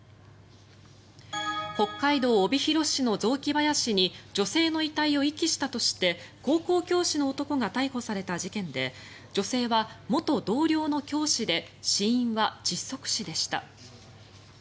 北海道帯広市の雑木林に女性の遺体を遺棄したとして高校教師の男が逮捕された事件で女性は元同僚の教師で死因は窒息死でした。